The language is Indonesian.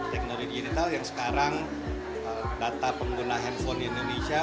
teknologi digital yang sekarang data pengguna handphone di indonesia